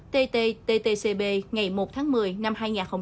ttcb ngày một tháng một mươi năm hai nghìn hai mươi